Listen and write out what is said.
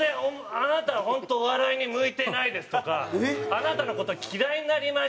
「あなたは本当お笑いに向いてないです」とか「あなたの事嫌いになりました」とか。